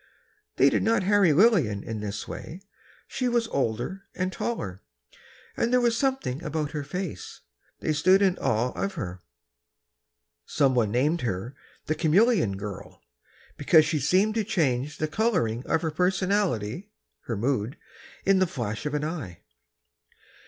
They did not harry Lillian in this way: she was older, and taller, and there was something about her face ... they stood in awe of her. Someone named her the "chameleon girl," because she seemed to change the "coloring of her personality (her mood) in the flash of an eye."